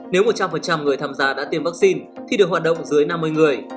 nếu một trăm linh người tham gia đã tiêm vaccine thì được hoạt động dưới năm mươi người